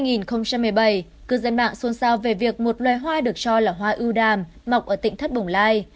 năm hai nghìn một mươi bảy cư dân mạng xôn xao về việc một loài hoa được cho là hoa ưu đàm mọc ở tỉnh thất bồng lai